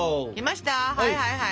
はいはいはい。